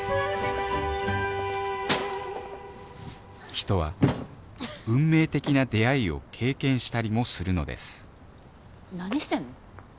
人は運命的な出会いを経験したりもするのです何してんの？